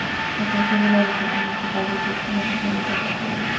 La creación del aeropuerto municipal de Tucson aumentó la importancia de la ciudad.